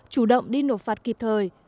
chủ động đi nộp phạt kịp thời